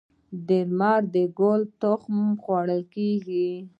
د لمر ګل تخم خوړل کیږي.